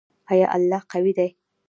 آیا الله قوی دی؟